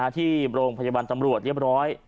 ที่โรงพยาบาลตำรวจเรียบร้อย